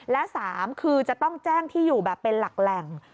และ๓คือจะต้องแจ้งที่อยู่แบบเป็นหลักแหล่ง